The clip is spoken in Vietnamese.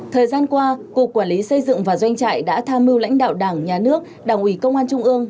thời gian qua cục quản lý xây dựng và doanh trại đã tham mưu lãnh đạo đảng nhà nước đảng ủy công an trung ương